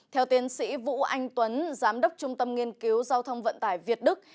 theo tiến sĩ vũ anh tuấn giám đốc trung tâm nghiên cứu giao thông vận tải việt đức